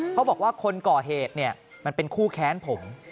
เขาบอกว่าคนก่อเหตุเนี่ยมันเป็นคู่แค้นผม